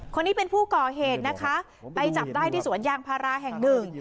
คนนี้เป็นผู้ก่อเหตุนะคะไปจับได้ที่สวนยางพาราแห่งหนึ่ง